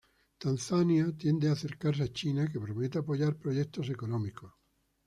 Tanzania tiende a acercarse a China, que promete apoyar proyectos económicos.